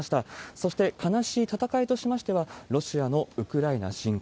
そして、悲しい戦いとしましてはロシアのウクライナ侵攻。